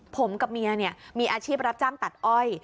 ผมกับเมียมีอาชีพรับจ้างตัดอ้อย